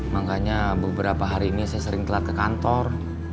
makanya beberapa hari ini saya sering telat ke kantor